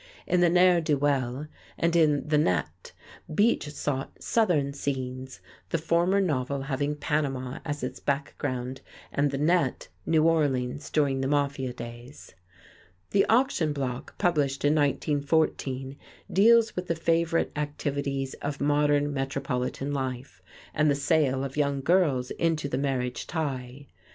In "The Ne'er Do Well" and in "The Net" Beach sought Southern scenes, the former novel having Panama as its background, and "The Net" New Orleans during the Mafia days. "The Auction Block," published in 1914, deals with the favorite activities of modern Metropolitan life, and the sale of young girls into the marriage tie.